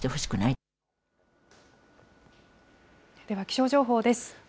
では気象情報です。